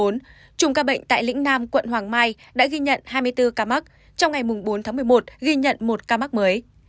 chùm ca bệnh tại lĩnh nam quận hoàng mai đã ghi nhận hai mươi bốn ca mắc trong ngày bốn tháng một mươi một ghi nhận một ca mắc mới